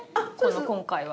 今回は。